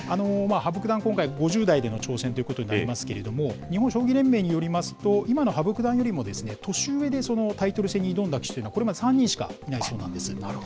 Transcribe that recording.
羽生九段、今回、５０代での挑戦ということになりますけれども、日本将棋連盟によりますと、今の羽生九段よりも年上でそのタイトル戦に挑んだ棋士というのはこれまで３人しかいないそうなんです。